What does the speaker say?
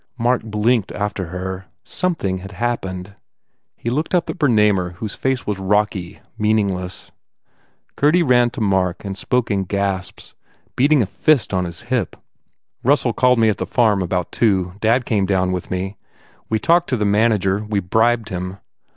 Mark blinked after her. Something had happened. He looked up at Bernamer whose face was rocky, meaningless. Gurdy ran to Mark and spoke in gasps, beating a fist on his hip. "Russell called me at the farm about two Dad went down with me. We talked to the man ager We bribed him.